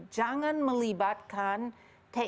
jangan melibatkan tni